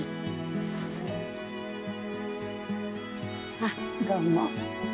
あっどうも。